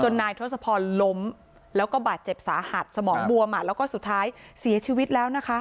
นายทศพรล้มแล้วก็บาดเจ็บสาหัสสมองบวมแล้วก็สุดท้ายเสียชีวิตแล้วนะคะ